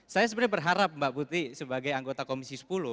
saya sebenarnya berharap mbak putih sebagai anggota komisi sepuluh